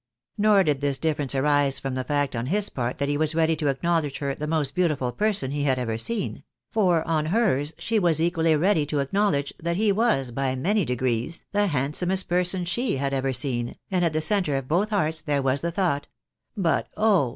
Nor did this difference arise from the fact on his part that he was ready to acknowledge her the most beautiful person he had ever seen ; for, on hers, she was equally ready to acknowledge that he was, by many degrees, the handsomest person she had ever seen, and at the centre of both hearts there was the thought, " But oh